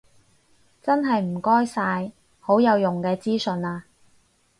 真係唔該晒，好有用嘅資訊啊